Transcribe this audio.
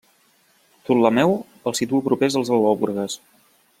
Ptolemeu els situa propers als al·lòbroges.